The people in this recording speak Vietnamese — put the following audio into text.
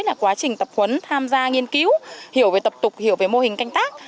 là quá trình tập huấn tham gia nghiên cứu hiểu về tập tục hiểu về mô hình canh tác